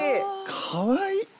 かわいい！